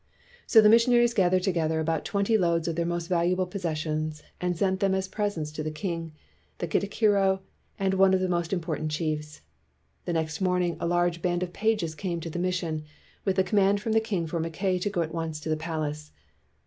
So the missionaries gathered together about twenty loads of their most valuable possessions and sent them as presents to the king, the katikiro, and one of the most im portant chiefs. The next morning a large band of pages came to the mission with the command from the king for Mackay to go at once to the palace.